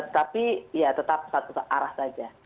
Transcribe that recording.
tapi ya tetap satu arah saja